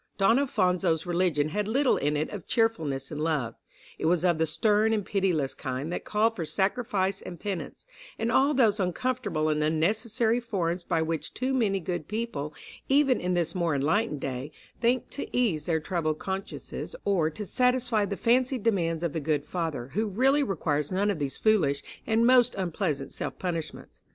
Don Alphonso's religion had little in it of cheerfulness and love. It was of the stern and pitiless kind that called for sacrifice and penance, and all those uncomfortable and unnecessary forms by which too many good people, even in this more enlightened day, think to ease their troubled consciences, or to satisfy the fancied demands of the Good Father, who really requires none of these foolish and most unpleasant self punishments.